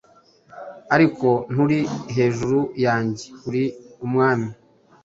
Ariko nturi hejuru yanjye, uri Umwami